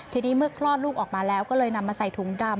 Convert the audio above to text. ทีนี้เมื่อคลอดลูกออกมาแล้วก็เลยนำมาใส่ถุงดำ